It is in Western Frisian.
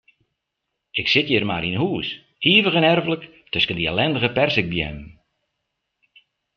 Ik sit hjir mar yn 'e hûs, ivich en erflik tusken dy ellindige perzikbeammen.